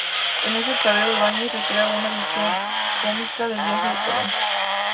En este tebeo Ibáñez recrea con una visión cómica el viaje de Colón.